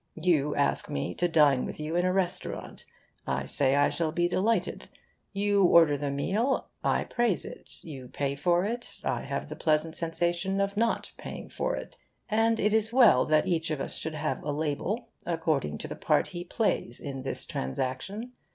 You ask me to dine with you in a restaurant, I say I shall be delighted, you order the meal, I praise it, you pay for it, I have the pleasant sensation of not paying for it; and it is well that each of us should have a label according to the part he plays in this transaction.